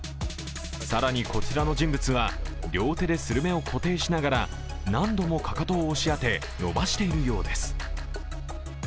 更にこちらの人物は、両手でスルメを固定しながら何度もかかとを押し当て伸ばしているようです。